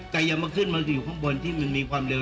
แต่อย่ามาขึ้นมาอยู่ข้างบนที่มันมีความเร็ว